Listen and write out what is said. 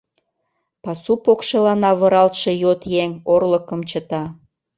Пасу покшелан авыралтше йот еҥ орлыкым чыта...